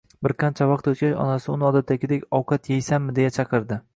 bir qancha vaqt o‘tgach, onasi uni odatdagidek “ovqat yeysanmi?”, deya chaqiridi.